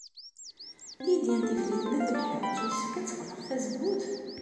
Lidya n Tifrit n At Lḥaǧ yessefk ad teɣleq tazewwut?